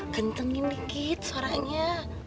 kencengin dikit suaranya